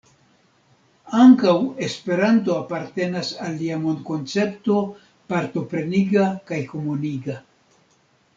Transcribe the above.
Ankaŭ Esperanto apartenas al lia mondkoncepto partopreniga kaj komuniga.